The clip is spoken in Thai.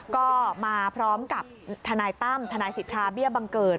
ก็มาพร้อมกับทนายตั้มทนายสิทธาเบี้ยบังเกิด